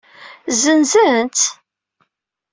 Zenzen-tt?